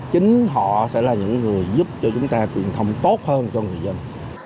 chính họ sẽ là những người giúp cho chúng ta truyền thông tốt hơn cho người dân